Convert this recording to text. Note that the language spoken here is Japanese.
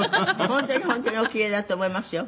本当に本当におキレイだと思いますよ。